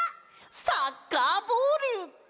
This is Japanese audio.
サッカーボール！